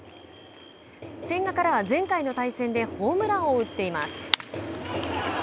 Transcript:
千賀からは前回の対戦でホームランを打っています。